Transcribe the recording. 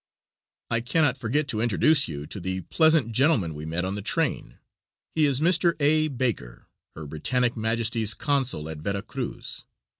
I cannot forget to introduce you to the pleasant gentleman we met on the train. He is Mr. A. Baker, Her Britannic Majesty's Consul at Vera Cruz.